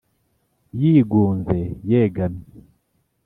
yigunze yegamye